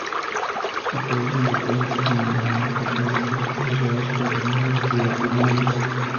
Aparece en depósitos de minerales metálicos asociados con procesos hidrotermales.